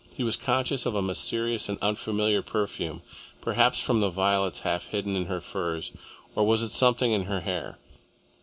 He was conscious of a mysterious and unfamiliar perfume, perhaps from the violets half hidden in her furs, or was it something in her hair?